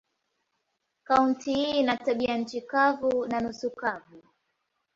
Kaunti hii ina tabianchi kavu na nusu kavu.